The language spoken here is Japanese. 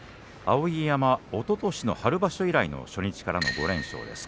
碧山はおととしの春場所以来の初日からの５連勝です。